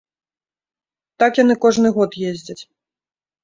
Так яны кожны год ездзяць.